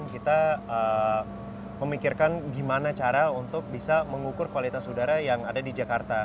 kita memikirkan gimana cara untuk bisa mengukur kualitas udara yang ada di jakarta